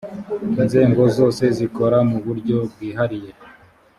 inzego zose zikora mu buryo bwihariye.